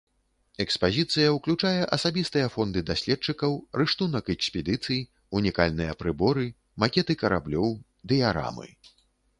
Экспазіцыя ўключае асабістыя фонды даследчыкаў, рыштунак экспедыцый, унікальныя прыборы, макеты караблёў, дыярамы.